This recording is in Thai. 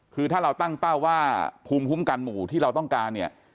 คือถ้าเราตั้งเป้าว่าภูมิคุ้มกันหมู่ที่เราต้องการเนี่ย